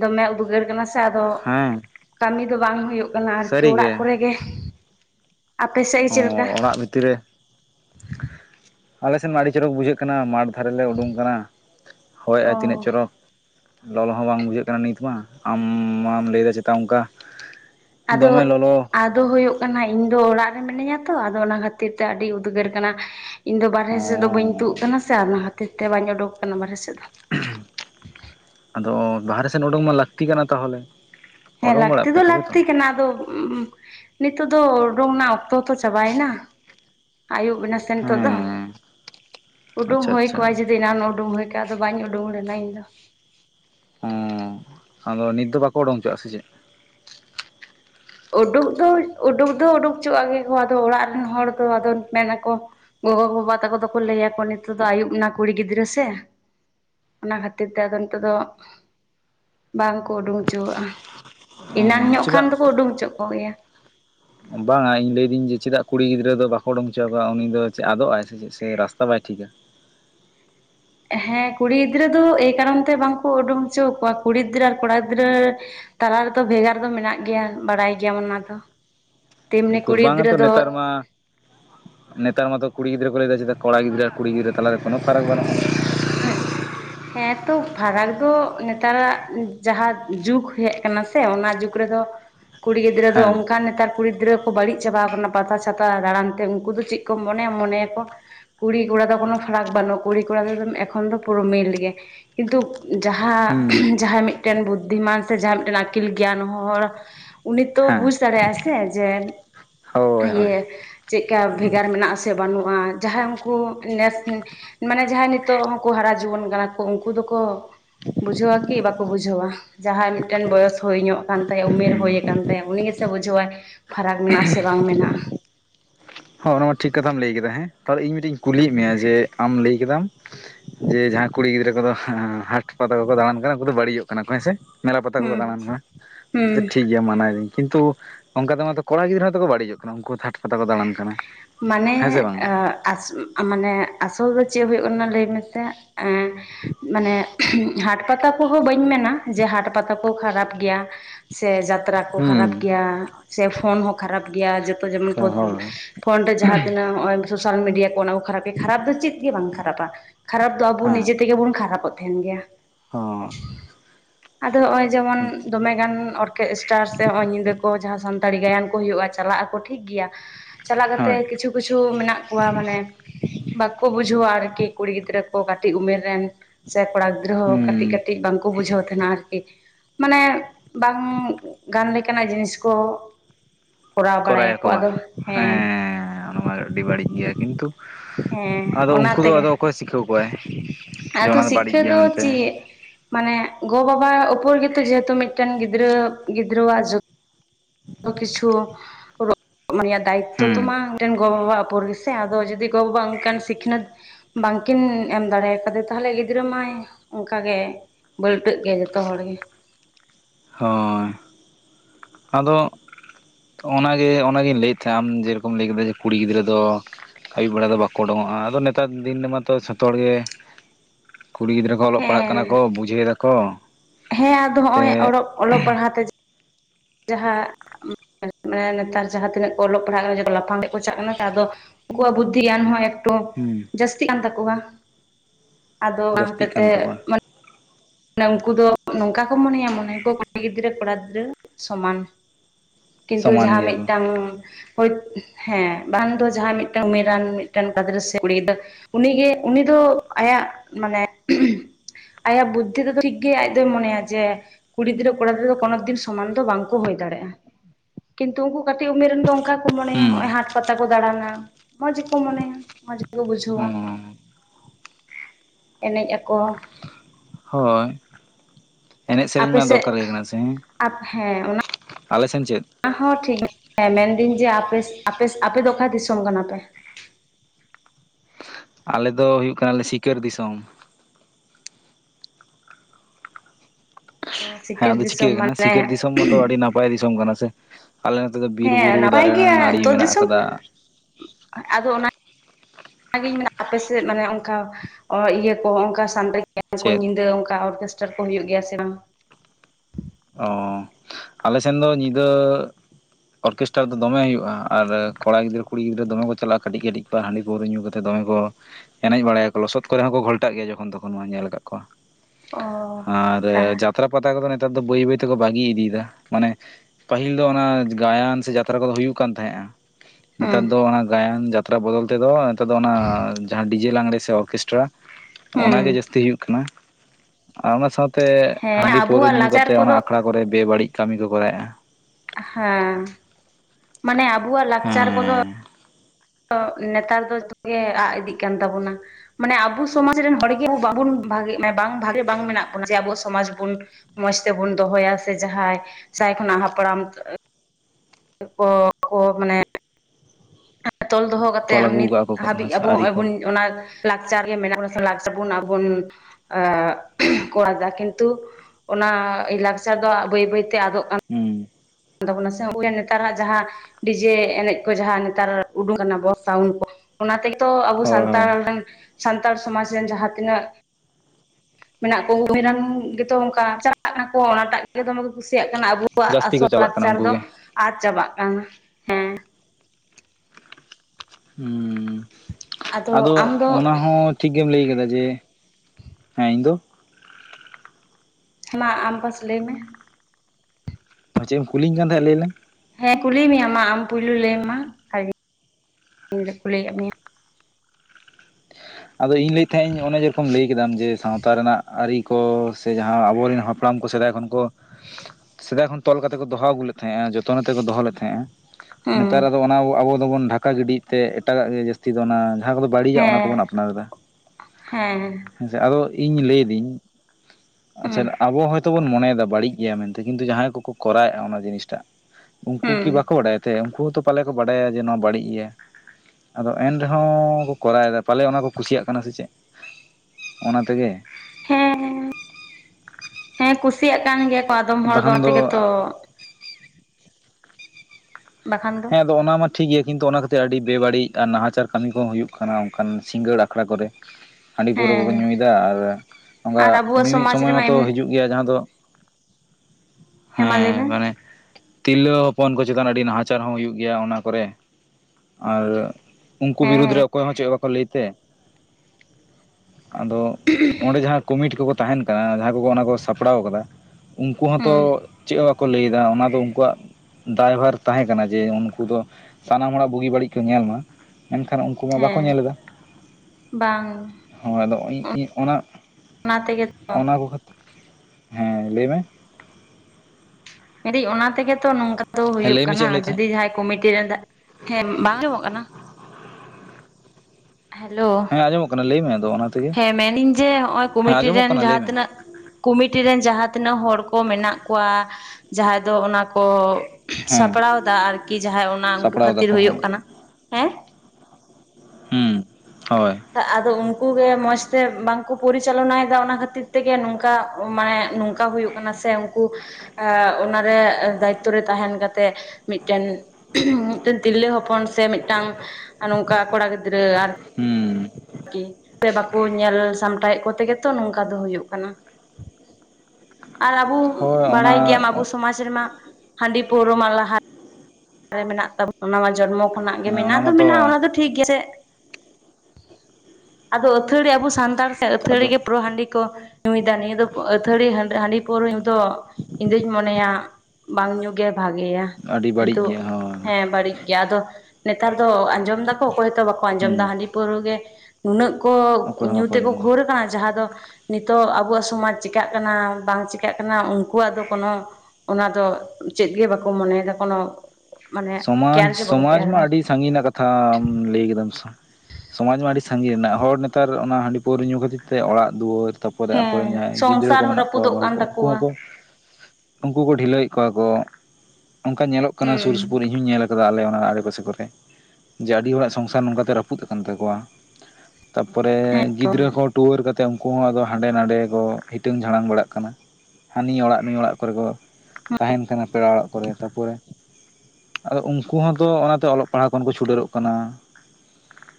B: ᱫᱚᱢᱮ ᱩᱫᱽᱜᱟᱹᱨ ᱠᱟᱱᱟ ᱥᱮ ᱛᱟᱫᱚ
A: ᱦᱮᱸ
B: ᱠᱟᱹᱢᱤ ᱫᱚ ᱵᱟᱝ ᱦᱩᱭᱩᱜ ᱠᱟᱱᱟ ᱟᱨᱠᱤ ᱚᱲᱟᱜ
A: ᱥᱟᱹᱨᱤᱜᱮ
B: ᱠᱚᱨᱮ ᱜᱮ ᱟᱯᱮ ᱥᱮᱫ ᱜᱮ ᱪᱮᱫ ᱞᱮᱠᱟ?
A: ᱛᱤ ᱨᱮ ᱟᱞᱮ ᱥᱮᱱ ᱢᱟ ᱟᱹᱰᱤ ᱪᱚᱨᱚᱠ ᱵᱩᱡᱷᱟᱹᱜ ᱠᱟᱱᱟ ᱢᱟᱴ ᱫᱷᱟᱨᱮ ᱞᱮ ᱩᱰᱩᱝ ᱠᱟᱱᱟ
B: ᱚ
A: ᱦᱚᱭᱮᱜᱼᱟᱭ ᱛᱤᱱᱟᱹᱜ ᱪᱚᱨᱚᱠ ᱾ ᱞᱚᱞᱚ ᱦᱚᱸ ᱵᱟᱝ ᱵᱩᱡᱷᱟᱹᱜ ᱠᱟᱱᱟ ᱱᱤᱛ ᱢᱟ ᱟᱢ ᱢᱟᱢ ᱞᱟᱹᱭᱫᱟ ᱪᱮᱛᱟ ᱚᱱᱠᱟ?
B: ᱟᱫᱚ
A: ᱫᱚᱢᱮ ᱞᱚᱞᱚ
B: ᱟᱨ ᱟᱫᱚ ᱦᱩᱭᱩᱜ ᱠᱟᱱᱟ ᱤᱧ ᱫᱚ ᱚᱲᱟᱜ ᱨᱮ ᱢᱤᱱᱟᱹᱧ ᱟ ᱛᱚ ᱟᱫᱚ ᱚᱱᱟ ᱠᱷᱟᱹᱛᱤᱨ ᱛᱮ ᱟᱹᱰᱤ ᱩᱫᱽᱜᱟᱹᱨ ᱠᱟᱱᱟ ᱾ ᱤᱧ ᱫᱚ ᱵᱟᱨᱦᱮ ᱥᱮᱫ
A: ᱦᱚᱸ
B: ᱫᱚ ᱵᱟᱹᱧ ᱛᱩᱜ ᱠᱟᱱᱟ ᱥᱮ ᱚᱱᱟ ᱠᱷᱟᱹᱛᱤᱨ ᱛᱮ ᱵᱟᱹᱧ ᱩᱰᱩᱠ ᱟᱠᱟᱱᱟ ᱵᱟᱨᱦᱮ ᱥᱮᱫ ᱫᱚ ᱾
A: ᱟᱫᱚ ᱵᱟᱦᱨᱮ ᱥᱮᱱ ᱩᱰᱩᱝ ᱢᱟ ᱞᱟᱹᱠᱛᱤ ᱠᱟᱱᱟ ᱛᱟᱦᱚᱞᱮ
B: ᱦᱮᱸ
A: ᱩᱰᱩᱝ
B: ᱞᱟᱹᱠᱛᱤ
A: ᱵᱟᱲᱟᱜ ᱯᱮ
B: ᱫᱚ
A: ᱛᱚᱵᱮ ᱛᱚ
B: ᱞᱟᱹᱠᱛᱤ ᱠᱟᱱᱟ ᱟᱫᱚ ᱱᱤᱛᱚᱜ ᱫᱚ ᱳᱰᱚᱝ ᱨᱮᱱᱟᱜ ᱚᱠᱛᱚ ᱛᱚ ᱪᱟᱵᱟᱭ ᱮᱱᱟ ᱟᱭᱩᱵ ᱮᱱᱟ ᱱᱤᱛᱚᱜ ᱫᱚ
A: ᱦᱮᱸ
B: ᱩᱰᱩᱝ
A: ᱟᱪᱪᱷᱟ
B: ᱦᱳᱭ
A: ᱟᱪᱪᱷᱟ
B: ᱠᱚᱜᱼᱟ ᱡᱚᱫᱤ ᱮᱱᱟᱝ ᱩᱰᱩᱝ ᱦᱩᱭ ᱟᱫᱚ ᱵᱟᱹᱧ ᱩᱰᱩᱝ ᱞᱮᱱᱟ ᱤᱧᱫᱚ
A: ᱦᱩᱸ ᱟᱫᱚ ᱱᱤᱛ ᱫᱚ ᱵᱟᱠᱚ ᱚᱰᱚᱝ ᱦᱚᱪᱚᱣᱟᱜᱼᱟ ᱥᱮ ᱪᱮᱫ
B: ᱩᱰᱩᱠ ᱫᱚ ᱩᱰᱩᱠ ᱫᱚ ᱩᱰᱩᱠ ᱦᱪᱚᱣᱟᱜ ᱜᱮᱠᱚ ᱟᱫᱚ ᱚᱲᱟᱜ ᱨᱮᱱ ᱦᱚᱲ ᱫᱚ ᱟᱫᱚ ᱢᱮᱱᱟᱠᱚ ᱜᱚᱜᱚ ᱵᱟᱵᱟ ᱛᱟᱠᱚ ᱫᱚᱠᱚ ᱞᱟᱹᱭ ᱟᱠᱚ ᱱᱤᱛᱚᱜ ᱫᱚ ᱟᱹᱭᱩᱵ ᱱᱟ ᱠᱩᱲᱤ ᱜᱤᱫᱽᱨᱟᱹ ᱥᱮ ᱚᱱᱟ ᱠᱷᱟᱹᱛᱤᱨ ᱛᱮ ᱟᱫᱚ ᱱᱤᱛᱚᱜ ᱫᱚ ᱵᱟᱝ ᱠᱚ ᱩᱰᱩᱝ ᱦᱚᱪᱚᱣᱟᱜᱼᱟ ᱮᱱᱟᱱ
A: ᱚ
B: ᱧᱚᱜ ᱠᱷᱟᱱ
A: ᱪᱮᱫᱟᱜ?
B: ᱫᱚᱠᱚ ᱩᱰᱩᱝ ᱦᱚᱪᱚ ᱠᱚᱜᱮᱭᱟ
A: ᱵᱟᱝᱟ ᱤᱧ ᱞᱟᱹᱭᱫᱟᱹᱧ ᱡᱮ ᱪᱮᱫᱟᱜ ᱠᱩᱲᱤ ᱜᱤᱫᱽᱨᱟᱹ ᱫᱚ ᱵᱟᱠᱚ ᱩᱰᱩᱝ ᱦᱚᱪᱚ ᱟᱠᱚᱣᱟ ᱩᱱᱤ ᱫᱚ ᱪᱮᱫ ᱟᱫᱚᱜᱼᱟᱭ ᱥᱮ ᱪᱮᱫ ᱥᱮ ᱨᱟᱥᱛᱟ ᱵᱟᱭ ᱴᱷᱤᱠᱟ
B: ᱦᱮᱸ ᱠᱩᱲᱤ ᱜᱤᱫᱽᱨᱟᱹ ᱫᱚ ᱮᱭ ᱠᱟᱨᱚᱱ ᱛᱮ ᱵᱟᱝᱠᱚ ᱩᱰᱩᱝ ᱦᱚᱪᱚ ᱟᱠᱚᱣᱟ ᱠᱩᱲᱤ ᱜᱤᱫᱽᱨᱟᱹ ᱟᱨ ᱠᱚᱲᱟ ᱜᱤᱫᱽᱨᱟᱹ ᱛᱟᱞᱟ ᱨᱮᱫᱚ ᱵᱷᱮᱜᱟᱨ ᱫᱚ ᱢᱮᱱᱟᱜ ᱜᱮᱭᱟ ᱵᱟᱲᱟᱭ ᱜᱮᱭᱟᱢ ᱚᱱᱟ ᱫᱚ ᱛᱮᱢᱱᱤ
A: ᱩᱠᱩᱨ
B: ᱠᱩᱲᱤ
A: ᱵᱟᱝᱟ
B: ᱜᱤᱫᱽᱨᱟᱹ
A: ᱛᱚ
B: ᱫᱚ
A: ᱱᱮᱛᱟᱨ ᱢᱟ ᱱᱮᱛᱟᱨ ᱢᱟᱛᱚ ᱠᱩᱲᱤ ᱜᱤᱫᱽᱨᱟᱹ ᱠᱚ ᱞᱟᱹᱭ ᱮᱫᱟ ᱪᱮᱛᱟ ᱠᱚᱲᱟ ᱜᱤᱫᱽᱨᱟᱹ ᱠᱩᱲᱤ ᱜᱤᱫᱽᱨᱟᱹ ᱛᱟᱞᱟ ᱨᱮ ᱠᱚᱱᱳ ᱯᱷᱟᱨᱟᱠ ᱵᱟᱹᱱᱩᱜ ᱟ
B: ᱦᱮᱸ ᱦᱮᱸ ᱛᱚ ᱯᱷᱟᱨᱟᱠ ᱫᱚ ᱱᱮᱛᱟᱨᱼᱟᱜ ᱡᱟᱦᱟᱸ ᱡᱩᱜ ᱦᱮᱡ ᱠᱟᱱᱟ ᱥᱮ ᱚᱱᱟ ᱡᱩᱜ ᱨᱮᱫᱚ
A: [unintelligible]
B: ᱠᱩᱲᱤ ᱜᱤᱫᱽᱨᱟᱹ ᱫᱚ
A: ᱦᱮᱸ
B: ᱚᱠᱟ ᱱᱮᱛᱟᱨ ᱠᱩᱲᱤ ᱜᱤᱫᱽᱨᱟᱹ ᱠᱚ ᱵᱟᱹᱲᱤᱡ ᱪᱟᱵᱟᱣ ᱠᱟᱱᱟ ᱯᱟᱛᱟ ᱪᱷᱟᱛᱟ ᱫᱟᱸᱬᱟᱱ ᱛᱮ ᱩᱱᱠᱩ ᱫᱚ ᱪᱮᱫ ᱠᱚ ᱢᱚᱱᱮᱭᱟ ᱢᱚᱱᱮᱭᱟᱠᱚ ᱠᱩᱲᱤ ᱠᱚᱲᱟ ᱫᱚ ᱠᱚᱱᱳ ᱯᱷᱟᱨᱠ ᱵᱟᱹᱱᱩᱜ ᱠᱩᱲᱤ ᱠᱚᱲᱟ ᱫᱚ ᱮᱠᱷᱱ ᱫᱚ ᱯᱩᱨᱟᱹ ᱢᱤᱞ ᱜᱮ ᱠᱤᱱᱛᱩ ᱡᱟᱦᱟᱸ
A: ᱦᱩᱸ
B: ᱡᱟᱦᱟᱸᱭ ᱢᱤᱫᱴᱮᱱ ᱵᱩᱫᱽᱫᱷᱤᱢᱟᱱ ᱥᱮ ᱡᱟᱦᱟᱸᱭ ᱢᱤᱫᱴᱮᱱ ᱟᱹᱠᱤᱞ ᱜᱮᱭᱟᱱ ᱦᱚᱲ ᱩᱱᱤ ᱛᱚ
A: ᱦᱮᱸ
B: ᱵᱩᱡᱽ ᱫᱟᱲᱮᱭᱟᱜᱼᱟ ᱥᱮ ᱡᱮ
A: ᱦᱳᱭ ᱦᱳᱭ
B: ᱤᱭᱟᱹ ᱪᱮᱫᱠᱟ ᱵᱷᱮᱜᱟᱨ ᱢᱮᱱᱟᱜ ᱟ ᱥᱮ ᱵᱟᱹᱱᱩᱜᱼᱟ ᱡᱟᱦᱟᱸᱭ ᱩᱱᱠᱩ ᱱᱮᱥ ᱢᱟᱱᱮ ᱡᱟᱦᱟᱸᱭ ᱱᱤᱛᱚᱜ ᱠᱚ ᱦᱟᱨᱟ ᱡᱩᱣᱟᱹᱱ ᱠᱟᱱᱟ ᱠᱚ ᱩᱱᱠᱩ ᱫᱚᱠᱚ ᱵᱩᱡᱷᱟᱹᱣᱟ ᱠᱤ ᱵᱟᱠᱚ ᱵᱩᱡᱷᱟᱹᱣ ᱟ ᱡᱟᱦᱟᱸᱭ ᱢᱤᱫᱴᱮᱱ ᱵᱚᱭᱮᱥ ᱦᱳᱭ ᱧᱚᱜ ᱠᱟᱱ ᱛᱟᱭᱟ ᱩᱢᱮᱨ
A: ᱦᱩᱸ
B: ᱦᱳᱭ ᱟᱠᱟᱱ ᱛᱟᱭᱟ ᱩᱱᱤ ᱜᱮᱥᱮ ᱵᱩᱡᱷᱟᱹᱣᱟᱭ ᱯᱷᱟᱨᱟᱠ ᱢᱮᱱᱟᱜ ᱟ ᱥᱮ ᱵᱟᱝ ᱢᱮᱱᱟᱜᱼᱟ
A: ᱦᱮᱸ ᱚᱱᱟ ᱢᱟ ᱴᱷᱤᱠ ᱠᱟᱛᱷᱟᱢ ᱞᱟᱹᱭ ᱠᱮᱫᱟ ᱦᱮᱸ ᱛᱟᱦᱞᱮ ᱤᱧ ᱢᱤᱫᱴᱤᱡ ᱤᱧ ᱠᱩᱞᱤᱭᱮᱫ ᱢᱮᱭᱟ ᱡᱮ ᱟᱢ ᱞᱟᱹᱭ ᱠᱮᱫᱟᱢ ᱡᱮ ᱡᱟᱦᱟᱸᱭ ᱠᱩᱲᱤ ᱜᱤᱫᱽᱨᱟᱹ ᱠᱚᱫᱚ ᱦᱟᱴ ᱯᱟᱛᱟ ᱠᱚᱠᱚ ᱫᱟᱸᱬᱟᱱ ᱠᱟᱱᱟ ᱩᱱᱠᱩ ᱫᱚ ᱵᱟᱹᱲᱤᱡᱼᱚᱜ ᱠᱟᱱᱟ ᱠᱚ ᱦᱮᱸᱥᱮ ᱢᱮᱞᱟ ᱯᱟᱛᱟ ᱠᱚᱠᱚ
B: ᱦᱩᱸ
A: ᱫᱟᱸᱬᱟᱱ ᱠᱟᱱᱟ
B: ᱦᱩᱸ
A: ᱟᱪᱪᱷᱟ ᱴᱷᱤᱠ ᱜᱮᱭᱟ ᱢᱟᱱᱟᱣ ᱮᱫᱟᱹᱧ ᱠᱤᱱᱛᱩ ᱚᱱᱠᱟᱛᱮ ᱢᱟᱛᱚ ᱠᱚᱲᱟ ᱜᱤᱫᱽᱨᱟᱹ ᱦᱚᱸ ᱛᱚᱠᱚ ᱵᱟᱹᱲᱤᱡᱚᱜ ᱠᱟᱱᱟ ᱩᱱᱠᱩ ᱦᱟᱴ ᱯᱟᱛᱟ ᱠᱚ ᱫᱟᱬᱟᱱ ᱠᱟᱱᱟ
B: ᱢᱟᱱᱮ
A: ᱦᱮᱸ ᱥᱮ ᱵᱟᱝ
B: ᱟᱥ ᱢᱟᱱᱮ ᱟᱥᱚᱞ ᱫᱚ ᱪᱮᱫ ᱦᱩᱭᱩᱜ ᱠᱟᱱᱟ ᱞᱟᱹᱭ ᱢᱮᱥᱮ ᱢᱟᱱᱮ ᱦᱟᱴ ᱯᱟᱛᱟ ᱠᱚᱦᱚᱸ ᱵᱟᱹᱧ ᱢᱮᱱᱟ ᱡᱮ ᱦᱟᱴ ᱯᱟᱛᱟ ᱠᱚ ᱠᱷᱟᱨᱟᱯ ᱜᱮᱭᱟ ᱥᱮ ᱡᱟᱛ [unintelligible] ᱠᱚ ᱠᱷᱟᱨᱟᱯ
A: ᱦᱩᱸ
B: ᱜᱮᱭᱟ ᱥᱮ ᱯᱷᱳᱱ ᱦᱚᱸ ᱠᱷᱟᱨᱟᱯ ᱜᱮᱭᱟ ᱡᱚᱛᱚ ᱡᱮᱢᱚᱱ
A: ᱦᱳᱭ
B: ᱯᱷᱳᱱ ᱨᱮ ᱡᱟᱦᱟᱸᱛᱤᱱᱟᱹᱜ ᱥᱳᱥᱟᱞ ᱢᱤᱰᱤᱭᱟ ᱠᱚ ᱚᱱᱟ ᱠᱚ ᱠᱷᱟᱨᱟᱯ ᱜᱮ ᱠᱷᱟᱨᱟᱯ ᱫᱚ ᱪᱮᱫ ᱜᱮ ᱵᱟᱝ ᱠᱷᱟᱨᱟᱯᱟ ᱠᱷᱟᱨᱟᱯ ᱫᱚ ᱟᱵᱚ ᱱᱤᱡᱮ ᱛᱮᱜᱮ ᱵᱚᱱ ᱠᱷᱟᱨᱟᱯᱚᱜ ᱛᱟᱦᱮᱱ ᱜᱮᱭᱟ
A: ᱦᱸ
B: ᱟᱫᱚ ᱱᱚᱜᱼᱚᱭ ᱡᱮᱢᱚᱱ ᱫᱚᱢᱮ ᱜᱟᱱ ᱚᱨᱠᱮᱥᱴ ᱴᱟᱨ ᱥᱮ ᱱᱚᱜᱼᱚᱭ ᱧᱤᱫᱟᱹ ᱠᱚ ᱡᱟᱦᱟᱸ ᱥᱟᱱᱛᱟᱲᱤ ᱜᱟᱭᱟᱱ ᱠᱚ ᱦᱩᱭᱩᱜᱼᱟ ᱪᱟᱞᱟᱜ ᱟᱠᱚ ᱴᱷᱤᱠ ᱜᱮᱭᱟ ᱪᱟᱞᱟᱜ ᱠᱟᱛᱮ
A: ᱦᱳᱭ
B: ᱠᱤᱪᱷᱩ ᱠᱤᱪᱷᱩ ᱢᱮᱱᱟᱜ ᱠᱚᱣᱟ ᱢᱟᱱᱮ ᱵᱟᱠᱚ ᱵᱩᱡᱷᱟᱹᱣᱟ ᱟᱨᱠᱤ ᱠᱩᱲᱤ ᱜᱤᱫᱽᱨᱟᱹ ᱠᱚ ᱠᱟᱹᱴᱤᱡ ᱩᱢᱮᱨ ᱨᱮᱱ ᱥᱮ ᱠᱚᱲᱟ ᱜᱤᱫᱽᱨᱟᱹ ᱦᱚᱸ ᱠᱟᱹᱴᱤᱡ
A: ᱦᱩᱸ
B: ᱠᱟᱹᱴᱤᱡ ᱵᱟᱝᱠᱚ ᱵᱩᱡᱷᱟᱹᱣ ᱛᱟᱦᱮᱱᱟ ᱟᱨᱠᱤ ᱢᱟᱱᱮ ᱵᱟᱝ ᱜᱟᱱ ᱞᱮᱠᱟᱱᱟᱜ ᱡᱤᱱᱤᱥ ᱠᱚ ᱠᱚᱨᱟᱣ ᱵᱟᱲᱟᱭᱟᱠᱚ
A: ᱠᱚᱨᱟᱭᱟᱠᱚ ᱵᱟ
B: ᱟᱫᱚ ᱦᱮᱸ
A: ᱦᱮᱸ ᱱᱚᱶᱟ ᱟᱹᱰᱤ ᱵᱟᱹᱲᱤᱡ ᱜᱮᱭᱟ ᱠᱤᱱᱛᱩ
B: ᱦᱮᱸ
A: ᱟᱫᱚ
B: ᱚᱱᱟ
A: ᱩᱱᱠᱩ ᱫᱚ ᱟᱫᱚ
B: ᱛᱮᱜᱮ
A: ᱚᱠᱚᱭ ᱥᱤᱠᱷᱣ ᱠᱟᱣᱟ ᱠᱚᱟᱭ
B: ᱟᱫᱚ ᱥᱤᱠᱠᱷ ᱫᱚ ᱪᱮᱫ ᱢᱟᱱᱮ ᱜᱚ ᱵᱟᱵᱟ ᱩᱯᱚᱨ ᱜᱮᱛᱚ ᱡᱮᱦᱮᱛᱩ ᱢᱤᱫᱴᱮᱱ ᱜᱤᱫᱽᱨᱟᱹ ᱜᱤᱫᱽᱨᱟᱹ [unintelligible] ᱡᱷᱚᱛᱚ ᱠᱤᱪᱷᱩ [unintelligible] ᱫᱟᱭᱤᱛᱚ
A: ᱦᱩᱸ
B: ᱛᱚ ᱢᱟ ᱢᱤᱫᱴᱮᱱ ᱜᱚᱵᱟᱵᱟᱣᱟᱜ ᱚᱯᱚᱨ ᱜᱮᱥᱮ ᱟᱫᱚ ᱡᱩᱫᱤ ᱜᱚᱼᱵᱟᱵᱟ ᱚᱱᱠᱟᱱ ᱥᱤᱠᱷᱱᱟᱹᱛ ᱵᱟᱝᱠᱤᱱ ᱮᱢ ᱫᱟᱲᱮ ᱟᱠᱟᱫᱮ ᱛᱟᱦᱚᱞᱮ ᱜᱤᱫᱽᱨᱟᱹ ᱢᱟᱭ ᱚᱱᱠᱟᱜ ᱜᱮ ᱵᱟᱹᱞᱴᱟᱹᱜ ᱜᱮᱭᱟ ᱡᱚᱛᱚ ᱦᱚᱲ ᱜᱮ
A: ᱦᱳᱭ ᱟᱫᱚ ᱚᱱᱟᱜᱮ ᱚᱱᱟᱜᱤᱧ ᱞᱟᱹᱭᱮᱫ ᱛᱟᱦᱮᱸᱜ ᱟᱢ ᱡᱮᱨᱚᱠᱚᱢ ᱞᱟᱹᱭ ᱠᱮᱫᱟ ᱡᱮ ᱠᱩᱲᱤ ᱜᱤᱫᱽᱨᱟᱹ ᱫᱚ ᱟᱭᱩᱵ ᱵᱮᱲᱟ ᱫᱚ ᱵᱟᱠᱚ ᱩᱰᱩᱠᱚᱜᱼᱟ ᱟᱫᱚ ᱱᱮᱛᱟᱨ ᱫᱤᱱ ᱨᱮᱢᱟᱛᱚ ᱡᱚᱛᱚ ᱦᱚᱲ ᱜᱮ ᱠᱩᱲᱤ ᱜᱤᱫᱽᱨᱟᱹ ᱠᱚ ᱚᱞᱚᱜ ᱯᱟᱲᱦᱟᱜ ᱠᱟᱱᱟ ᱠᱚ
B: ᱦᱮᱸ
A: ᱵᱩᱡᱷᱟᱹᱣ ᱫᱟ ᱠᱚ
B: ᱦᱮᱸ ᱟᱫᱚ ᱦᱚᱸᱜᱼᱚᱭ ᱚᱞ ᱯᱟᱲᱦ ᱛᱮ ᱡᱟᱦᱟᱸ ᱢᱟᱱᱮ ᱱᱮᱛᱟᱨ ᱡᱟᱦᱟᱸᱛᱤᱱᱟᱹᱜ ᱠᱚ ᱚᱞᱚᱜ ᱯᱟᱲᱦᱟᱜ ᱠᱟᱱᱟ ᱞᱟᱯᱷᱟᱝ ᱜᱮ ᱠᱚ ᱪᱟᱜ ᱠᱟᱱᱟ ᱛᱮ ᱟᱫᱚ ᱩᱱᱠᱩᱣᱟᱜ ᱵᱩᱫᱫᱷᱤ ᱜᱭᱟᱱ ᱦᱚᱸ ᱮᱠᱴᱩ
A: ᱦᱩᱸ
B: ᱡᱟᱹᱥᱛᱤ ᱠᱟᱱ ᱛᱟᱠᱚᱣᱟ ᱟᱫᱚ ᱚᱱᱟ
A: ᱡᱟᱹᱥᱛᱤᱜ
B: ᱦᱚᱛᱮᱡ
A: ᱠᱟᱱ
B: ᱛᱮ
A: ᱛᱟᱠᱚᱣᱟ
B: ᱢᱟᱱᱮ ᱩᱱᱠᱩ ᱫᱚ ᱱᱚᱝᱠᱟ ᱠᱚ ᱢᱚᱱᱮᱭᱟ ᱢᱚᱱᱮᱭᱟ ᱠᱚ ᱠᱚᱲᱟ ᱜᱤᱫᱽᱨᱟᱹ ᱠᱚᱲᱟ ᱜᱤᱫᱽᱨᱟᱹ ᱥᱚᱢᱟᱱ ᱠᱤᱱᱛᱩ
A: ᱥᱚᱢᱟᱱ
B: ᱡᱟᱦᱟᱸ
A: ᱜᱮᱭᱟ ᱠᱚ
B: ᱢᱤᱫᱴᱟᱝ ᱦᱳᱭ ᱦᱮᱸ ᱵᱟᱝ ᱫᱚ ᱡᱟᱦᱟᱸᱭ ᱢᱤᱫᱴᱟᱝ ᱢᱮᱨᱟᱱ ᱢᱤᱫᱴᱮᱱ ᱜᱤᱫᱽᱨᱟᱹ ᱥᱮ ᱠᱩᱲᱤ ᱜᱤᱫᱽᱨᱟᱹ ᱩᱱᱤᱜᱮ ᱩᱱᱤ ᱫᱚ ᱟᱭᱟᱜ ᱢᱟᱱᱮ ᱟᱭᱟᱜ ᱵᱩ ᱛᱤᱫᱚ ᱴᱷᱤᱠ ᱜᱮᱭᱟ ᱟᱡ ᱫᱚᱭ ᱢᱚᱱᱮᱭᱟ ᱡᱮ ᱠᱩᱲᱤ ᱜᱤᱫᱨᱟᱹ ᱠᱚᱲᱟ ᱜᱤᱫᱨᱟᱹ ᱫᱚ ᱠᱚᱱᱚ ᱫᱤᱱ ᱥᱚᱢᱟᱱ ᱫᱚ ᱵᱟᱝᱠᱚ ᱦᱩᱭ ᱫᱟᱲᱮᱭᱟᱜᱼᱟ ᱠᱤᱱᱛᱩ ᱩᱱᱠᱩ ᱠᱟᱹᱴᱤᱡ ᱩᱢᱮᱨ ᱨᱮᱱ ᱫᱚ ᱚᱱᱠᱟ ᱠᱚ ᱢᱚᱱᱮᱭᱟ
A: ᱦᱩᱸ
B: ᱱᱚᱜᱼᱚᱭ ᱦᱟᱴ ᱯᱟᱛᱟ ᱠᱚ ᱫᱟᱬᱟᱱᱟ ᱢᱚᱡᱽ ᱜᱮᱠᱚ ᱢᱚᱱᱮᱭᱟ ᱢᱚᱡᱽ ᱜᱮᱠᱚ ᱵᱩᱡᱷᱟᱹᱣᱟ
A: ᱦᱩᱸ
B: ᱮᱱᱮᱡ ᱟᱠᱚ
A: ᱦᱳᱭ ᱮᱱᱮᱡ ᱥᱮᱨᱮᱧ ᱢᱟ ᱫᱚᱨᱠᱟᱨ
B: ᱟᱯᱮᱥᱮᱫ
A: ᱜᱮ ᱠᱟᱱᱟ ᱥᱮ
B: ᱦᱮᱸ ᱚᱱᱟ
A: ᱟᱞᱮᱥᱮᱱ ᱪᱮᱫ
B: ᱦᱚᱸ ᱴᱷᱤᱠ ᱜᱮᱭᱟ ᱦᱮᱸ ᱢᱮᱱᱫᱟᱹᱧ ᱡᱮ ᱟᱯᱮᱥ ᱟᱯᱮ ᱟᱯᱮ ᱫᱚ ᱚᱠᱟ ᱫᱤᱥᱚᱢ ᱠᱟᱱᱟ ᱯᱮ
A: ᱟᱞᱮ ᱫᱚ ᱦᱩᱭᱩᱜ ᱠᱟᱱᱟᱞᱮ ᱥᱤᱠᱟᱹᱨ ᱫᱤᱥᱚᱢ
B: ᱚ
A: ᱦᱮᱸ
B: ᱥᱤᱠᱟᱹᱨ
A: ᱟᱫᱚ ᱪᱤᱠᱟᱹ
B: ᱫᱤᱥᱚᱢ
A: ᱠᱟᱱᱟ ᱥᱤᱠᱟᱹᱨ
B: ᱢᱟᱱᱮ
A: ᱫᱤᱥᱚᱢ ᱢᱚᱛ ᱛᱚ ᱟᱹᱰᱤ ᱱᱟᱯᱟᱭ ᱫᱤᱥᱚᱢ ᱠᱟᱱᱟ ᱥᱮ ᱟᱞᱮ ᱱᱚᱛᱮ ᱫᱚ ᱵᱤᱨ ᱵᱩᱨᱩ
B: ᱦᱮᱸ ᱱᱟᱯᱟᱭ
A: ᱫᱟᱨᱮ ᱱᱟ
B: ᱜᱮᱭᱟ
A: ᱱᱟᱹᱲᱤ
B: ᱡᱚᱛᱚ
A: ᱢᱮᱱᱟᱜ
B: ᱫᱤᱥᱚᱢ
A: ᱟᱠᱟᱫᱟ
B: ᱟᱫᱚ ᱚᱱᱟ ᱚᱱᱟᱜᱤᱧ ᱢᱮᱱᱟ ᱟᱯᱮ ᱥᱮᱫ ᱢᱟᱱᱮ ᱚᱱᱠᱟ ᱤᱭᱟᱹ ᱠᱚ ᱚᱱᱠᱟ ᱥᱟᱱᱰᱮ ᱠᱚ
A: ᱪᱮᱫ
B: ᱧᱤᱫᱟᱹ ᱚᱱᱠᱟ ᱚᱨᱠᱮᱥᱴᱟᱨ ᱠᱚ ᱦᱩᱭᱩᱜ ᱜᱮᱭᱟ ᱥᱮ ᱵᱟᱝ
A: ᱚ ᱟᱞᱮ ᱥᱮᱱ ᱫᱚ ᱧᱤᱫᱟᱹ ᱚᱨᱠᱮᱥᱴᱟᱨ ᱫᱚ ᱫᱚᱢᱮ ᱦᱩᱭᱩᱜᱼᱟ ᱟᱨ ᱠᱚᱲᱟ ᱜᱤᱫᱽᱨᱟᱹ ᱠᱩᱲᱤ ᱜᱤᱫᱽᱨᱟᱹ ᱫᱚᱢᱮ ᱠᱚ ᱪᱟᱞᱟᱜᱼᱟ ᱠᱟᱹᱴᱤᱡ ᱠᱟᱹᱴᱤᱡ ᱟᱨ ᱦᱟᱺᱰᱤ ᱠᱚᱣ ᱧᱩ ᱠᱟᱛᱮᱮᱫ ᱫᱚᱢᱮ ᱠᱚ ᱮᱱᱮᱡ ᱵᱟᱲᱟᱭᱟ ᱠᱚ ᱞᱚᱥᱚᱫ ᱠᱚᱨᱮ ᱦᱚᱸᱠᱚ ᱜᱷᱚᱞᱴᱟᱜ ᱜᱮᱭᱟ ᱡᱚᱠᱷᱚᱱ ᱛᱚᱠᱷᱚᱱ ᱢᱟ ᱧᱮᱞ ᱟᱠᱟᱜ ᱠᱚᱣᱟ
B: ᱚ
A: ᱟᱨ
B: ᱛᱟ
A: ᱡᱟᱛᱨᱟ ᱯᱟᱛᱟ ᱠᱚᱫᱚ ᱱᱮᱛᱟᱨ ᱟᱫᱚ ᱵᱟᱹᱭ ᱵᱟᱹᱭ ᱛᱮᱠᱚ ᱵᱟᱹᱜᱤ ᱤᱫᱤᱭᱮᱫᱟ ᱢᱟᱱᱮ ᱯᱟᱹᱦᱤᱞ ᱫᱚ ᱚᱱᱟ ᱜᱟᱭᱟᱱ ᱥᱮ ᱡᱟᱛᱨᱟ ᱠᱚᱫᱚ ᱦᱩᱭᱩᱜ ᱠᱟᱱ ᱛᱟᱦᱮᱸᱦᱫᱼᱟ ᱱᱮᱛᱟᱨ
B: ᱦᱩᱸ
A: ᱫᱚ ᱚᱱᱟ ᱜᱟᱭᱟᱱ ᱡᱟᱛᱨᱟ ᱡᱟᱛᱨᱟ ᱵᱚᱫᱚᱞ ᱛᱮᱫᱚ ᱱᱮᱛᱟᱨ ᱫᱚ ᱚᱱᱟ ᱡᱟᱦᱟᱸ ᱰᱤᱡᱮ ᱞᱟᱜᱽᱲᱮ ᱥᱮ ᱚᱨᱠᱮᱥᱴᱨᱟ ᱚᱱᱟᱜᱮ
B: ᱦᱩᱸ
A: ᱡᱟᱹᱥᱛᱤ ᱦᱩᱭᱩᱜ ᱠᱟᱱᱟ ᱟᱨ ᱚᱱᱟ ᱥᱟᱶᱛᱮ
B: ᱦᱮᱸ
A: ᱦᱟᱺᱰᱤ ᱯᱟᱹᱣᱨᱟᱹ
B: ᱟᱵᱚᱣᱟᱜ
A: ᱧᱩ ᱠᱟᱛᱮ
B: ᱞᱟᱠᱪᱟᱨ ᱠᱚᱫᱚ
A: ᱚᱠᱟ ᱠᱚᱨᱮ ᱵᱮᱵᱟᱹᱲᱤᱡ ᱠᱟᱹᱢᱤ ᱠᱚ ᱠᱚᱨᱟᱣᱮᱫᱼᱟ
B: ᱦᱮᱸ ᱢᱟᱱᱮ ᱟᱵᱚᱣᱟᱜ ᱞᱟᱠᱪᱟᱨ ᱠᱚᱫᱚ
A: ᱦᱮᱸ
B: ᱱᱮᱛᱟᱨ ᱫᱚ ᱡᱚᱛᱚᱜ ᱜᱮ ᱟᱜ ᱤᱫᱤᱜ ᱠᱟᱱ ᱛᱟᱵᱚᱱᱟ ᱢᱟᱱᱮ ᱟᱵᱚ ᱥᱚᱢᱟᱡ ᱨᱮᱱ ᱦᱚᱲᱜᱮ ᱵᱟᱝᱵᱩᱱ ᱵᱷᱟᱜᱮ ᱵᱷᱟᱜᱮ ᱵᱟᱝ ᱢᱮᱱᱟᱜ ᱵᱚᱱᱟ ᱡᱮ ᱟᱵᱚ ᱥᱚᱢᱟᱡ ᱵᱩᱱ ᱢᱚᱸᱡᱽ ᱛᱮᱵᱚᱱ ᱫᱚᱦᱚᱭᱟ ᱥᱮ ᱡᱟᱦᱟᱸᱭ ᱥᱟᱭ ᱠᱷᱚᱱᱟᱜ ᱦᱟᱯᱲᱟᱢ ᱠᱚ ᱠᱚ ᱢᱟᱱᱮ ᱛᱚᱞ ᱫᱚᱦᱚ
A: ᱛᱚᱞ
B: ᱠᱟᱛᱮᱫ
A: ᱟᱹᱜᱩ
B: ᱱᱤᱛ
A: ᱠᱟᱜᱼᱟ ᱠᱚ
B: ᱦᱟᱹᱵᱤᱡ ᱟᱵᱚ
A: ᱟᱹᱨᱤ
B: ᱦᱚᱸᱜᱼᱚᱭ ᱵᱚᱱ
A: ᱠᱚ
B: ᱚᱱᱟ ᱞᱟᱠᱪᱟᱨ ᱜᱮ ᱢᱮᱱᱟᱜ ᱵᱚᱱᱟ ᱞᱟᱠᱪᱟᱨ ᱵᱚᱱ ᱟᱵᱚᱱ ᱠᱚᱨᱟᱣᱟ ᱠᱤᱱᱛᱩ ᱚᱱᱟ ᱞᱟᱠᱪᱟᱨ ᱫᱚ ᱵᱟᱹᱭ ᱵᱟᱹᱭᱛᱮ ᱟᱫᱚᱜ ᱠᱟᱱᱟ
A: ᱦᱩᱸ
B: ᱛᱟᱵᱚᱱᱟ ᱥᱮ ᱱᱮᱛᱟᱨᱟᱜ ᱡᱟᱦᱟᱸ ᱰᱤᱡᱮ ᱮᱱᱮᱡ ᱠᱚ ᱡᱟᱦᱟᱸ ᱱᱮᱛᱟᱨ ᱩᱰᱩᱠ ᱠᱟᱱᱟ ᱠᱚ ᱥᱟᱣᱩᱱᱰ ᱠᱚ ᱚᱱᱟ ᱛᱮᱜᱮ ᱛᱚ ᱟᱵᱚ
A: ᱦᱳᱭ
B: ᱥᱟᱱᱛᱟᱲ
A: ᱦᱳᱭ
B: ᱨᱮᱱ ᱥᱟᱱᱛᱟᱲ ᱥᱚᱢᱟᱡᱽ ᱨᱮᱱ ᱡᱟᱦᱟᱸ ᱛᱤᱱᱟᱹᱜ ᱢᱮᱱᱟᱜ ᱠᱚ ᱩᱱᱠᱩ ᱨᱮᱱ ᱜᱮᱛᱚ ᱚᱱᱠᱟ ᱪᱟᱞᱟᱜ ᱠᱟᱱᱟ ᱠᱚ ᱚᱱᱟᱴᱟᱜ ᱜᱮ ᱫᱚᱢᱮ ᱠᱚ ᱠᱩᱥᱤᱭᱟᱜ ᱠᱟᱱᱟ ᱟᱵᱚᱣᱟᱜ
A: ᱡᱟᱹᱥᱛᱤ ᱠᱚ
B: ᱟᱥᱚᱞ
A: ᱪᱟᱞᱟᱜ ᱠᱟᱱᱟ
B: ᱞᱟᱠᱪᱟᱨ
A: ᱩᱱᱠᱩ
B: ᱫᱚ
A: ᱜᱮ
B: ᱟᱫ ᱪᱟᱵᱟᱜ ᱠᱟᱱᱟ ᱦᱮᱸ
A: ᱦᱮᱸ ᱟᱫᱚ
B: ᱟᱢ ᱫᱚ
A: ᱚᱱᱟ ᱦᱚᱸ ᱴᱷᱤᱠ ᱜᱮᱢ ᱞᱟᱹᱭ ᱟᱠᱟᱫᱟ ᱡᱮ ᱦᱮᱸ ᱤᱧ ᱫᱚ
B: ᱢᱟ ᱟᱢ ᱯᱟᱥ ᱞᱟᱹᱭ ᱢᱮ
A: ᱪᱮᱫ ᱮᱢ ᱠᱩᱞᱤᱧ ᱠᱟᱱ ᱛᱟᱦᱮᱸᱫ ᱞᱟᱹᱭ ᱞᱮᱢ
B: ᱦᱮᱸ ᱠᱩᱞᱤ ᱢᱮᱭᱟ ᱢᱟ ᱟᱢ ᱯᱩᱭᱞᱩ ᱞᱟᱹᱭ ᱢᱮ ᱢᱟ ᱟᱨ ᱠᱩᱞᱤᱭᱮᱫ ᱢᱮᱭᱟ
A: ᱟᱫᱚ ᱤᱧ ᱞᱟᱹᱭ ᱛᱟᱦᱮᱸᱫ ᱤᱧ ᱚᱱᱮ ᱡᱮᱨᱚᱠᱚᱢ ᱞᱟᱹᱭ ᱠᱮᱫᱟᱢ ᱡᱮ ᱥᱟᱶᱛᱟ ᱨᱮᱱᱟᱜ ᱟᱹᱨᱤ ᱠᱚ ᱥᱮ ᱡᱟᱦᱟᱸ ᱟᱵᱚᱨᱮᱱ [unintelligible] ᱦᱟᱯᱲᱟᱢ ᱠᱚ ᱥᱮᱫᱟᱭ ᱠᱷᱚᱱ ᱠᱚ ᱥᱮᱫᱟᱭ ᱠᱷᱚᱱ ᱛᱚᱞ ᱠᱟᱛᱮᱫ ᱠᱚ ᱫᱚᱦᱚ ᱟᱹᱜᱩ ᱞᱮᱫ ᱛᱟᱦᱮᱸᱜᱼᱟ ᱡᱚᱛᱚᱱ ᱠᱟᱛᱮ ᱠᱚ ᱫᱚᱦᱚ ᱞᱮᱫ ᱛᱟᱦᱮᱸᱜᱼᱟ ᱱᱮᱛᱟᱨ
B: ᱦᱩᱸ
A: ᱟᱫᱚ ᱚᱱᱟ ᱟᱵᱚ ᱫᱚᱵᱚᱱ ᱰᱷᱟᱠᱟ ᱜᱤᱰᱤᱭᱮᱫ ᱛᱮ ᱮᱴᱟᱜᱟᱜ ᱜᱮ ᱡᱟᱹᱥᱛᱤ ᱫᱚ ᱚᱱᱟ ᱡᱟᱦᱟᱸ ᱠᱚᱫᱚ ᱵᱟᱹᱲᱤᱡᱟᱜ ᱚᱱᱟ ᱠᱚᱵᱚᱱ
B: ᱦᱮᱸ
A: ᱟᱯᱱᱟᱨ ᱮᱫᱟ
B: ᱦᱮᱸ
A: ᱦᱮᱸ ᱥᱮ ᱟᱫᱚ ᱤᱧ ᱞᱟᱹᱭ ᱫᱟᱹᱧ
B: ᱦᱩᱸ
A: ᱟᱪᱪᱷᱟ ᱟᱵᱚ ᱦᱚᱭ ᱛᱚ ᱵᱚᱱ ᱢᱚᱱᱮᱭᱮᱫᱟ ᱵᱟᱹᱲᱤᱡ ᱜᱮᱭᱟ ᱢᱮᱱᱛᱮ ᱠᱤᱱᱛᱩ ᱡᱟᱦᱟᱸᱭ ᱠᱚᱠᱚ ᱠᱚᱨᱟᱣᱮᱫᱼᱟ ᱚᱱᱟ ᱡᱤᱱᱤᱥᱴᱟᱜ ᱩᱱᱠᱩ
B: ᱦᱩᱸ
A: ᱠᱤ ᱵᱟᱠᱚ ᱵᱟᱰᱟᱭᱟ ᱛᱮ ᱩᱱᱠᱩ ᱛᱚ ᱯᱟᱞᱮ ᱠᱚ ᱵᱟᱰᱟᱭᱟ ᱡᱮ ᱱᱚᱣᱟ ᱵᱟᱹᱲᱤᱡ ᱜᱮᱭᱟ ᱟᱫᱚ ᱮᱱᱨᱮᱦᱚᱸ ᱠᱚ ᱠᱚᱨᱟᱣ ᱮᱫᱟ ᱯᱟᱞᱮ ᱚᱱᱟ ᱠᱚ ᱠᱩᱥᱤᱭᱟᱜ ᱠᱟᱱᱟ ᱥᱮ ᱪᱮᱫ? ᱚᱱᱟ ᱛᱮᱜᱮ
B: ᱦᱮᱸ ᱦᱮᱸ ᱠᱩᱥᱤᱭᱟᱜ ᱠᱟᱱ ᱜᱮᱭᱟ ᱠᱚ ᱟᱫᱚᱢ ᱦᱚᱲ ᱫᱚ ᱚᱱᱟ ᱛᱮᱜᱮ ᱛᱚ ᱵᱟᱠᱷᱟᱱ ᱫᱚ
A: ᱦᱮᱸ ᱟᱫᱚ ᱚᱱᱟ ᱢᱟ ᱴᱷᱤᱠ ᱜᱮᱭᱟ ᱠᱤᱱᱛᱩ ᱚᱱᱟ ᱠᱷᱟᱹᱛᱤᱨ ᱟᱹᱰᱤ ᱵᱮᱵᱟᱹᱲᱤᱡ ᱟᱨ ᱱᱟᱦᱟᱪᱟᱨ ᱠᱟᱹᱢᱤ ᱠᱚ ᱦᱩᱭᱩᱜ ᱠᱟᱱᱟ ᱚᱱᱠᱟᱱ ᱥᱤᱸᱜᱟᱹᱲ ᱟᱠᱷᱲᱟ ᱠᱚᱨᱮ [inaudible] ᱦᱟᱺᱰᱤ ᱯᱟᱹᱣᱨᱟᱹ
B: ᱦᱮᱸ
A: ᱠᱚᱠᱚ ᱧᱩᱭᱮᱫᱟ ᱟᱨ ᱚᱝᱠᱟ
B: ᱟᱨ ᱟᱵᱚᱣᱟᱜ
A: ᱢᱤᱢᱤᱫ
B: ᱥᱚᱢᱟᱡᱽ
A: ᱥᱚᱢᱚᱭ
B: ᱨᱮᱢᱟ
A: ᱢᱟᱛᱚ
B: ᱮᱢ
A: ᱦᱤᱡᱩᱜ ᱜᱮᱭᱟ ᱡᱟᱦᱟᱸ ᱫᱚ
B: ᱦᱮ ᱢᱟ ᱞᱟᱹᱭ ᱢᱮ
A: ᱦᱮᱸ ᱢᱟᱱᱮ ᱛᱤᱨᱞᱟᱹ ᱦᱚᱯᱚᱱ ᱠᱚ ᱪᱮᱛᱟᱱ ᱟᱹᱰᱤ ᱱᱟᱦᱟᱪᱟᱨ ᱦᱚᱸ ᱦᱩᱭᱩᱜ ᱜᱮᱭᱟ ᱚᱱᱟ ᱠᱚᱨᱮ ᱟᱨ ᱩᱱᱠᱩ ᱵᱤᱨᱩᱫᱽ ᱨᱮ
B: ᱦᱮᱸ
A: ᱚᱠᱚᱭ ᱦᱚᱸ ᱪᱮᱫ ᱦᱚ ᱵᱟᱠᱚ ᱞᱟᱹᱭᱛᱮ ᱟᱫᱚ ᱚᱸᱰᱮ ᱡᱟᱦᱟᱸ ᱠᱚᱢᱤᱴᱤ ᱠᱚᱠᱚ ᱛᱟᱦᱮᱱ ᱠᱟᱱᱟ ᱡᱟᱦᱟᱸ ᱠᱚ ᱚᱱᱟ ᱠᱚ ᱥᱟᱯᱲᱟᱣ ᱟᱠᱟᱫᱟ ᱩᱱᱠᱩ ᱦᱚᱸᱛᱚ
B: ᱦᱩᱸ
A: ᱪᱮᱫ ᱦᱚᱸ ᱵᱟᱠᱚ ᱞᱟᱹᱭᱮᱫᱟ ᱚᱱᱟᱫᱚ ᱩᱱᱠᱩᱣᱟᱜ ᱫᱟᱭᱵᱷᱟᱨ ᱛᱟᱦᱮᱸ ᱠᱟᱱᱟ ᱡᱮ ᱩᱱᱠᱩ ᱫᱚ ᱥᱟᱱᱟᱢ ᱦᱚᱲᱟᱜ ᱵᱩᱜᱤ ᱵᱟᱹᱲᱤᱡ ᱠᱚ ᱧᱮᱞ ᱢᱟ ᱢᱮᱱᱠᱷᱟᱱ ᱩᱱᱠᱩ ᱢᱟ ᱵᱟᱠᱚ
B: ᱦᱮᱸ
A: ᱧᱮᱞ ᱮᱫᱟ
B: ᱵᱟᱝ
A: ᱦᱳᱭ ᱟᱫᱚ ᱤᱧᱼᱤᱧ ᱚᱱᱟ,
B: ᱚᱱᱟ ᱛᱮᱜᱮ ᱛᱚ
A: ᱚᱱᱟ ᱠᱚ ᱠᱷᱟᱛᱤᱨ ᱦᱮᱸ ᱞᱟᱹᱭ ᱢᱮ
B: ᱢᱮᱱᱫᱟᱹᱧ ᱚᱱᱟ ᱛᱮᱜᱮ ᱛᱚ ᱱᱚᱝᱠᱟ ᱫᱚ
A: ᱦᱮᱸ
B: ᱦᱩᱭᱩᱜ
A: ᱞᱟᱹᱭ ᱢᱮ
B: ᱠᱟᱱᱟ
A: ᱪᱮᱫ ᱮᱢ ᱞᱟᱹᱭ ᱛᱟᱦᱮᱸᱫ
B: ᱡᱩᱫᱤ ᱡᱟᱦᱟᱸᱭ ᱠᱚᱢᱤᱴᱤ ᱨᱮᱱ ᱦᱮᱸ ᱵᱟᱝ ᱟᱸᱡᱚᱢᱚᱜ ᱠᱟᱱᱟ? ᱦᱮᱞᱳ
A: ᱦᱮᱸ ᱟᱸᱡᱚᱢᱚᱜ ᱠᱟᱱᱟ ᱞᱟᱹᱭ ᱢᱮ ᱟᱫᱚ ᱚᱱᱟ ᱛᱮᱜᱮ
B: ᱦᱮᱸ ᱢᱮᱱᱟᱹᱧ ᱡᱮ ᱱᱚᱜᱼᱚᱭ
A: ᱦᱮᱸ
B: ᱠᱚᱢᱤᱴᱤ
A: ᱟᱸᱡᱚᱢᱚᱜ
B: ᱨᱮᱱ
A: ᱠᱟᱱᱟ ᱞᱟᱹᱭ
B: ᱡᱟᱦᱟᱸ
A: ᱢᱮ
B: ᱛᱤᱱᱟᱹᱜ ᱠᱚᱢᱤᱴᱤ ᱨᱮᱱ ᱡᱟᱦᱟᱸ ᱛᱤᱱᱟᱹᱜ ᱦᱚᱲ ᱠᱚ ᱢᱮᱱᱟᱜ ᱠᱚᱣᱟ ᱡᱟᱦᱟᱸᱭ ᱫᱚ ᱚᱱᱟ ᱠᱚ
A: ᱦᱮᱸ
B: ᱥᱟᱯᱲᱟᱣ ᱫᱟ ᱟᱨᱠᱤ ᱡᱟᱦᱟᱸ ᱚᱱᱟ ᱩᱱᱠᱩ
A: ᱥᱟᱯᱲᱟᱣ
B: ᱠᱷᱟᱹᱛᱤᱨ
A: ᱫᱟᱠᱚ
B: ᱦᱩᱭᱩᱜ
A: ᱦᱚᱸ
B: ᱠᱟᱱᱟ᱾ ᱦᱮᱸ
A: ᱦᱩᱸ ᱦᱳᱭ
B: ᱟᱫᱚ ᱩᱱᱠᱩᱩᱜᱮ ᱢᱚᱸᱡᱽᱛᱮ ᱵᱟᱝᱠᱩ ᱯᱚᱨᱤᱪᱟᱞᱚᱱᱟᱭ ᱮᱫᱟ ᱚᱱᱟ ᱠᱷᱟᱹᱛᱤᱨ ᱛᱮᱜᱮ ᱱᱚᱝᱠᱟ ᱢᱟᱱᱮ ᱱᱚᱝᱠᱟ ᱦᱩᱭᱩᱜ ᱠᱟᱱᱟ ᱥᱮ ᱩᱱᱠᱩ ᱮᱸ ᱚᱱᱟᱨᱮ ᱫᱟᱭᱤᱛᱛᱚ ᱨᱮ ᱛᱟᱸᱦᱮᱱ ᱠᱟᱛᱮᱫ ᱢᱤᱫᱴᱮᱱ ᱦᱩᱸ ᱢᱤᱫᱴᱟᱝ ᱛᱤᱨᱞᱟᱹ ᱦᱚᱯᱚᱱ ᱥᱮ ᱢᱤᱫᱴᱟᱝ ᱱᱚᱝᱠᱟ ᱠᱚᱲᱟ ᱜᱤᱫᱽᱨᱟᱹ ᱟᱨ
A: ᱦᱩᱸᱻ
B: ᱠᱤ ᱛᱮ ᱵᱟᱠᱚ ᱧᱮᱞ ᱥᱟᱢᱴᱟᱣᱮᱫ ᱠᱚᱛᱮ ᱜᱮᱛᱚ ᱱᱚᱝᱠᱟ ᱫᱚ ᱦᱚᱭᱳᱜ ᱠᱟᱱᱟ᱾ ᱟᱨ ᱟᱵᱚ
A: ᱦᱳᱭ ᱚᱱᱟ
B: ᱵᱟᱲᱟᱭ ᱜᱮᱭᱟᱢ ᱟᱵᱚ ᱥᱚᱢᱟᱡᱽ ᱨᱮᱢᱟ ᱦᱟᱺᱰᱤ ᱯᱟᱹᱣᱨᱟᱹ ᱢᱟ ᱞᱟᱦᱟ ᱨᱮ ᱢᱮᱱᱟᱜ ᱛᱟᱵᱚᱱᱟ ᱚᱱᱟ ᱡᱚᱱᱢᱚ ᱠᱷᱚᱱᱟᱜ ᱜᱮ
A: ᱦᱮᱸ ᱚᱱᱟ
B: ᱢᱮᱱᱟᱜ ᱫᱚ
A: ᱢᱟᱛᱚ
B: ᱢᱮᱱᱟᱜᱼᱟ ᱚᱱᱟ ᱫᱚ ᱴᱷᱤᱠ ᱜᱮ ᱪᱮ, ᱟᱫᱚ ᱟᱹᱛᱷᱟᱹᱲᱤ ᱟᱵᱚ ᱥᱟᱱᱛᱟᱲ ᱟᱹᱛᱷᱟᱹᱲᱤ
A: ᱟᱫᱚ
B: ᱜᱮ ᱯᱟᱹᱣᱨᱟᱹ ᱦᱟᱺᱰᱤ ᱠᱚ ᱧᱩᱭ ᱫᱟ ᱱᱤᱭᱟᱹ ᱫᱚ ᱟᱹᱛᱷᱟᱹᱲᱤ ᱦᱟᱺᱰᱤ ᱯᱟᱹᱣᱨᱟᱹ ᱧᱩ ᱫᱚ ᱤᱧ ᱫᱩᱧ ᱢᱚᱱᱮᱭᱟ ᱵᱟᱝ ᱧᱩ ᱜᱮ ᱵᱷᱟᱜᱮᱭᱟ᱾
A: ᱟᱹᱰᱤ ᱵᱟᱹᱲᱤᱡ
B: ᱠᱤᱱᱛᱩ
A: ᱜᱮᱭᱟ ᱦᱳᱭ
B: ᱦᱮᱸ ᱵᱟᱹᱲᱤᱡ ᱜᱮᱭᱟ ᱟᱫᱚ ᱱᱮᱛᱟᱨ ᱫᱚ ᱟᱸᱡᱚᱢ ᱫᱟᱠᱚ ᱚᱠᱚᱭ ᱦᱚᱛᱚ ᱵᱟᱠᱚ ᱟᱸᱡᱚᱢ
A: ᱦᱩᱸ
B: ᱮᱫᱟ ᱦᱟᱺᱰᱤ ᱯᱟᱹᱣᱨᱟᱹ ᱜᱮ ᱱᱩᱱᱟᱹᱜ ᱠᱚ
A: ᱚᱠᱚᱭ ᱦᱚᱸ
B: ᱧᱩ
A: ᱵᱟᱠᱚ
B: ᱛᱮᱠᱚ
A: ᱟᱸᱡᱚᱢ ᱮᱫᱟ
B: ᱜᱷᱳᱨ ᱠᱟᱱᱟ ᱡᱟᱦᱟᱸ ᱫᱚ ᱱᱤᱛᱚᱜ ᱟᱵᱚᱣᱟᱜ ᱥᱚᱢᱟᱡᱽ ᱪᱤᱠᱟᱜ ᱠᱟᱱᱟ ᱵᱟᱝ ᱪᱤᱠᱟᱜ ᱠᱟᱱᱟ ᱩᱱᱠᱩᱣᱟᱜ ᱫᱚ ᱠᱳᱱᱚ ᱚᱱᱟ ᱫᱚ ᱪᱮᱫ ᱜᱮ ᱵᱟᱠᱚ ᱢᱚᱱᱮᱭᱮᱫᱟ ᱠᱚᱱᱚ
A: ᱥᱚᱢᱟᱡᱽ ᱥᱚᱢᱟᱡᱽ ᱢᱟ
B: ᱮᱫᱟ
A: ᱟᱹᱰᱤ ᱥᱟᱹᱜᱤᱧ ᱨᱮᱱᱟᱜ ᱠᱟᱛᱷᱟᱢ ᱞᱟᱹᱭ ᱠᱮᱫᱟᱢ᱾ ᱥᱚᱢᱟᱡᱽ ᱢᱟ ᱟᱹᱰᱤ ᱥᱟᱸᱜᱤᱧ ᱨᱮᱱᱟᱜ ᱦᱚᱲ ᱱᱮᱛᱟᱨ ᱚᱱᱟ ᱦᱟᱺᱰᱤ ᱯᱟᱹᱣᱨᱟᱹ ᱧᱩ ᱠᱷᱟᱹᱛᱤᱨ ᱛᱮ ᱚᱲᱟᱜ ᱫᱩᱣᱟᱹᱨ ᱛᱟᱨᱯᱚᱨᱮ ᱟᱠᱚᱨᱮᱱ
B: ᱦᱮᱸ
A: ᱡᱟᱦᱟᱸᱭ ᱜᱤᱫᱽᱨᱟᱹ ᱠᱚ
B: ᱥᱚᱝᱥᱟᱨ ᱦᱚᱸ
A: ᱢᱮᱱᱟᱜ ᱠᱚᱣᱟ
B: ᱨᱟᱹᱯᱩᱫᱚᱜ
A: ᱵᱟᱹᱦᱩ ᱠᱚ
B: ᱠᱟᱱ
A: ᱩᱱᱠᱩ
B: ᱛᱟᱠᱚᱣᱟ
A: ᱦᱚᱸᱠᱚ ᱩᱱᱠᱩ ᱠᱚ ᱰᱷᱤᱞᱟᱹᱭᱮᱫ ᱠᱚᱣᱟ ᱠᱚ ᱚᱱᱠᱟ ᱧᱮᱞᱚᱜ ᱠᱟᱱᱟ ᱥᱩᱨ ᱥᱩᱯᱩᱨ
B: ᱦᱩᱸ
A: ᱤᱧ ᱦᱚᱸᱧ ᱧᱮᱞ ᱟᱠᱟᱫᱟ ᱟᱞᱮ ᱚᱱᱟ ᱟᱲᱮ ᱯᱟᱥᱮ ᱠᱚᱨᱮ᱾ ᱡᱮ ᱟᱹᱰᱤ ᱦᱚᱲᱟᱜ ᱥᱚᱝᱥᱟᱨ ᱱᱚᱝᱠᱟᱛᱮ ᱨᱟᱹᱯᱩᱫ ᱟᱠᱟᱱ ᱛᱟᱠᱚᱣᱟ ᱛᱟᱨᱯᱚᱨᱮ
B: ᱦᱮᱸᱛᱚ
A: ᱜᱤᱫᱽᱨᱟᱹ ᱦᱚ ᱴᱩᱣᱟᱹᱨ ᱠᱟᱛᱮᱜ ᱩᱱᱠᱩ ᱦᱚᱸ ᱟᱫᱚ ᱦᱟᱸᱰᱮ ᱱᱟᱰᱮ ᱠᱚ ᱦᱤᱴᱟᱹᱝ ᱡᱷᱟᱲᱟᱝ ᱵᱟᱲᱟᱜ ᱠᱟᱱᱟ᱾ ᱦᱟᱹᱱᱤ ᱚᱲᱟᱜ ᱱᱩᱭ ᱚᱲᱟᱜ ᱠᱚᱨᱮ ᱠᱚ ᱛᱟᱸᱦᱮᱱ ᱠᱟᱱᱟ ᱯᱮᱲᱟ ᱚᱲᱟᱜ ᱠᱚᱨᱮ ᱛᱟᱯᱚᱨᱮ ᱟᱫᱚ ᱩᱱᱠᱩ ᱦᱚᱸᱛᱚ ᱚᱱᱟᱛᱮ ᱚᱞᱚᱜ ᱯᱟᱲᱦᱟᱜ ᱠᱷᱚᱱ ᱠᱚ ᱪᱷᱩᱰᱟᱹᱨᱚᱜ ᱠᱟᱱᱟ᱾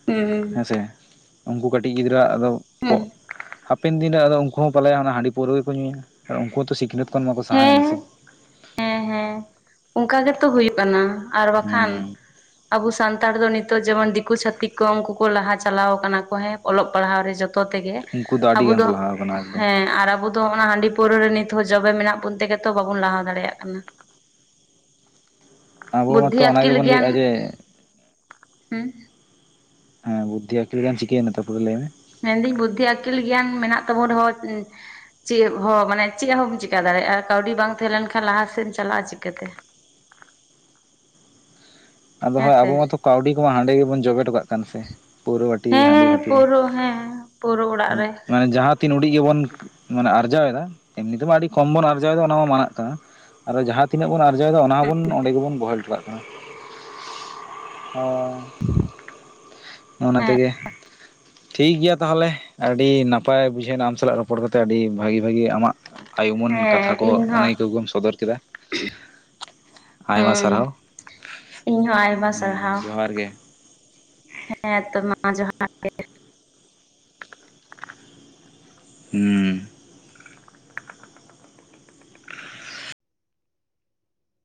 B: ᱦᱩᱸ
A: ᱦᱮᱸᱥᱮ ᱩᱱᱠᱩ ᱠᱟᱹᱴᱤᱡ ᱜᱤᱫᱽᱨᱟᱹᱼᱟ ᱟᱫᱚ ᱯᱚ
B: ᱦᱩᱸ
A: ᱦᱟᱯᱮᱱ ᱫᱤᱱᱨᱮ ᱟᱫᱚ ᱩᱱᱠᱩ ᱦᱚᱸ ᱯᱟᱞᱮᱱ ᱦᱟᱺᱰᱤ ᱯᱟᱹᱣᱨᱟᱹ ᱜᱮᱠᱚ ᱧᱩᱭᱟ ᱟᱨ ᱩᱱᱠᱩ ᱦᱚᱸᱛᱚ ᱥᱤᱠᱷᱱᱟᱹᱛ ᱠᱷᱚᱱ ᱢᱟᱠᱚ ᱥᱟᱦᱟᱭᱮᱱᱟ
B: ᱦᱮᱸ
A: ᱥᱮ᱾
B: ᱦᱮᱸ ᱦᱮᱸ ᱚᱱᱠᱟ ᱜᱮᱛᱚ ᱦᱩᱭᱩᱜ ᱠᱟᱱᱟ᱾ ᱟᱨ ᱵᱟᱠᱷᱟᱱ
A: ᱦᱩᱸ
B: ᱟᱵᱚ ᱥᱟᱱᱛᱟᱲ ᱫᱚ ᱱᱤᱛᱚᱜ ᱡᱮᱢᱚᱱ ᱫᱤᱠᱩ ᱪᱷᱟ ᱛᱤᱠ ᱠᱚ ᱩᱱᱠᱩ ᱠᱚ ᱞᱟᱦᱟ ᱪᱟᱞᱟᱣ ᱟᱠᱟᱱᱟ ᱠᱚ ᱦᱮᱸ ᱚᱞᱚᱜ ᱯᱟᱲᱦᱟᱣ ᱨᱮ ᱡᱚ ᱛᱮᱜᱮ
A: ᱩᱱᱠᱩ ᱟᱹᱰᱤ
B: ᱟᱵᱚ
A: ᱜᱟᱱ
B: ᱫᱚ
A: ᱠᱚ ᱞᱟᱦᱟ ᱟᱠᱟᱱᱟ ᱮᱠᱫᱚᱢ
B: ᱦᱮᱸ ᱟᱨ ᱟᱵᱚ ᱚᱱᱟ ᱦᱟᱺᱰᱤ ᱯᱟᱹᱣᱨᱟᱹ ᱨᱮ ᱱᱤᱛ ᱦᱚᱸ ᱡᱚᱵᱮ ᱢᱮᱱᱟᱜ ᱵᱚᱱ ᱛᱮᱜᱮ ᱛᱚ ᱵᱟᱵᱚᱱ ᱞᱟᱦᱟ ᱫᱟᱲᱮᱭᱟᱜ ᱠᱟᱱᱟ᱾
A: ᱟᱵᱚ
B: ᱵᱩᱫᱽᱫᱷᱤ
A: ᱢᱟᱛᱚ ᱚᱱᱟ
B: ᱟᱹᱠᱤᱞ
A: ᱜᱮᱵᱚᱱ
B: ᱜᱮᱭᱟᱱ
A: ᱞᱟᱹᱭᱮᱫᱼᱟ ᱡᱮ
B: ᱦᱩᱸ
A: ᱦᱮᱸ ᱵᱩᱫᱽᱫᱷᱤ ᱟᱹᱠᱤᱞ ᱜᱮᱭᱟᱱ ᱪᱤᱠᱟᱹᱭᱮᱱᱟ ᱛᱟᱨᱯᱚᱨᱮ ᱞᱟᱹᱭ ᱢᱮ?
B: ᱢᱮᱱᱫᱟᱹᱧ ᱵᱩᱫᱽᱫᱷᱤ ᱟᱹᱠᱤᱞ ᱜᱮᱭᱟᱱ ᱢᱮᱱᱟᱜ ᱛᱟᱵᱚᱱ ᱨᱮᱦᱚᱸ ᱪᱮᱫ ᱦᱚᱸ ᱢᱟᱱᱮ ᱪᱮᱫ ᱦᱚᱸᱢ ᱪᱮᱠᱟ ᱫᱟᱲᱮᱭᱟᱜᱼᱟ ᱠᱟᱹᱣᱰᱤ ᱵᱟᱝ ᱛᱟᱦᱮᱸ ᱞᱮᱱ ᱠᱷᱟᱱ ᱞᱟᱦᱟ ᱥᱮᱫ ᱮᱢ ᱪᱟᱞᱟᱜᱼᱟ ᱪᱤᱠᱟᱹᱛᱮ?
A: ᱟᱫᱚ
B: ᱦᱮᱸ
A: ᱦᱳᱭ ᱟᱵᱚ
B: ᱥᱮ
A: ᱢᱟᱛᱚ ᱠᱟᱹᱣᱰᱤ ᱠᱚᱢᱟ ᱦᱟᱸᱰᱮ ᱜᱮᱵᱚᱱ ᱡᱚᱵᱮᱴᱚ ᱠᱟᱜ ᱠᱟᱱᱟ ᱥᱮ ᱯᱟᱹᱣᱨᱟᱹ ᱵᱷᱟᱹᱴᱤ, ᱦᱟᱺᱰᱤ ᱵᱷᱟᱹᱴᱤ ᱨᱮ᱾
B: ᱯᱟᱹᱣᱨᱟᱹ ᱚᱲᱟᱜ ᱨᱮ᱾
A: ᱢᱟᱱᱮ ᱡᱟᱦᱟᱸ ᱛᱤᱱ ᱦᱩᱰᱤᱡ ᱜᱮᱵᱚᱱ ᱢᱟᱱᱮ ᱟᱨᱡᱟᱣ ᱮᱫᱟ ᱮᱢᱱᱤ ᱛᱮᱢᱟ ᱟᱹᱰᱤ ᱠᱚᱢ ᱵᱚᱱ ᱟᱨᱡᱟᱣ ᱮᱫᱟ ᱚᱱᱟ ᱢᱟ ᱢᱟᱱᱟᱜ ᱠᱟᱱᱟ᱾ ᱟᱫᱚ ᱡᱟᱦᱟᱸ ᱛᱤᱱᱟᱹᱜ ᱵᱚᱱ ᱟᱨᱡᱟᱣᱮᱫᱟ ᱚᱱᱟ ᱦᱚᱸᱵᱚᱱ ᱚᱸᱰᱮ ᱜᱮᱵᱚᱱ ᱵᱚᱦᱮᱞ ᱦᱚᱴᱚ ᱠᱟᱜ ᱠᱟᱱᱟ᱾ ᱚ ᱚᱱᱟ
B: ᱦᱮᱸ
A: ᱛᱮᱜᱮ ᱴᱷᱤᱠᱜᱮᱭᱟ ᱛᱟᱦᱚᱞᱮ ᱟᱹᱰᱤ ᱱᱟᱯᱟᱭ ᱵᱩᱡᱷᱟᱹᱣᱮᱱᱟ ᱟᱢ ᱥᱟᱞᱟᱜ ᱨᱚᱯᱚᱲ ᱠᱟᱛᱮ ᱟᱹᱰᱤ ᱵᱷᱟᱹᱜᱤ ᱵᱷᱟᱜᱤ ᱟᱢᱟᱜ ᱟᱭᱩᱢᱟᱹᱱ
B: ᱦᱮᱸ
A: ᱠᱟᱛᱷᱟ ᱠᱚ
B: ᱤᱧ ᱦᱚᱸ
A: ᱟᱹᱱᱟᱹᱭᱠᱟᱹ ᱠᱚᱢ ᱥᱚᱫᱚᱨ ᱠᱮᱫᱟ᱾ ᱟᱭᱢᱟ
B: ᱦᱩᱸ
A: ᱥᱟᱨᱦᱟᱣ᱾
B: ᱤᱧ ᱦᱚᱸ ᱟᱭ
A: ᱦᱮᱸ ᱡᱚᱦᱟᱨ ᱜᱮ᱾
B: ᱦᱮᱸ ᱛᱚ ᱢᱟ ᱡᱚᱦᱟᱨ ᱜᱮ᱾
A: ᱦᱩᱸ